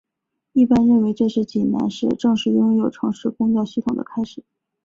一般认为这是济南市正式拥有城市公交系统的开始。